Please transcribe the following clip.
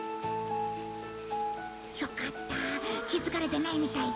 よかった気づかれてないみたいだ。